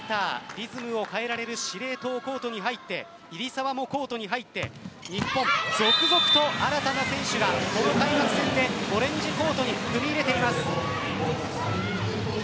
リズムを変えられる司令塔コートに入って入澤もコートに入って日本、続々と新たな選手がこの開幕戦オレンジコートに踏み入れています。